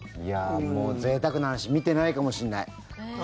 もう、ぜいたくな話見てないかもしれない。